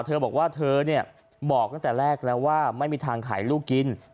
เธอบอกว่าเธอเนี่ยบอกตั้งแต่แรกแล้วว่าไม่มีทางขายลูกกิน